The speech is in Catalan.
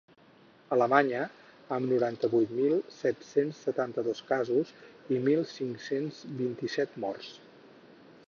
Alemanya, amb noranta-vuit mil set-cents setanta-dos casos i mil cinc-cents vint-i-set morts.